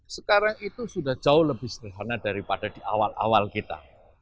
sekarang itu sudah jauh lebih sederhana daripada di awal awal kita